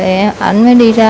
rồi ảnh mới đi ra